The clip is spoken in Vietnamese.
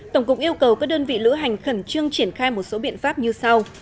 tổng cục yêu cầu các đơn vị lữ hành khẩn trương triển khai một số biện pháp như sau